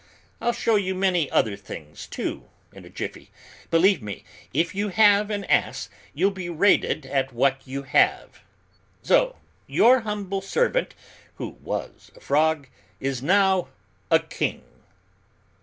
I'll show you many other things, too, in a jiffy; believe me, if you have an as, you'll be rated at what you have. So your humble servant, who was a frog, is now a king.